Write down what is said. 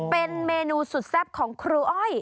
เป็นเมนูสุดแซ่บของครูอ้อย